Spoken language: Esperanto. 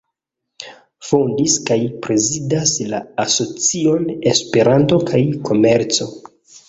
Fondis kaj prezidas la Asocion Esperanto kaj Komerco.